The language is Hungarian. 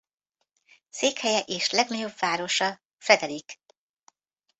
Székhelye és legnagyobb városa Frederick.